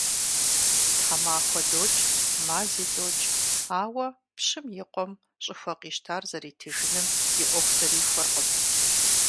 Тхьэмахуэ докӀ, мази докӀ, ауэ пщым и къуэм щӀыхуэ къищтар зэритыжыным и Ӏуэху зэрихуэркъым.